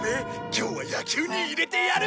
今日は野球に入れてやる」